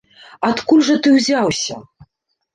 Адкуль жа ты ўзяўся?